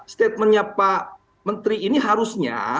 statementnya pak menteri ini harusnya